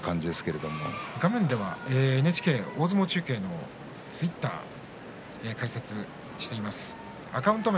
画面ではＮＨＫ大相撲中継の公式ツイッターを開設しています。